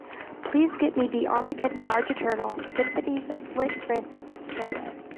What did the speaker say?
Please get me the Armageddon March Eternal – Symphonies of Slit Wrists trailer.